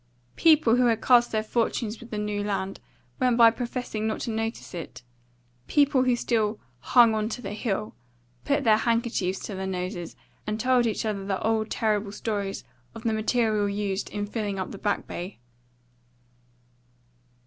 People who had cast their fortunes with the New Land went by professing not to notice it; people who still "hung on to the Hill" put their handkerchiefs to their noses, and told each other the old terrible stories of the material used in filling up the Back Bay.